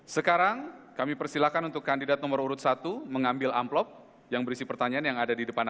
sekarang kami persilakan untuk kandidat nomor urut satu mengambil amplop yang berisi pertanyaan yang ada di depan anda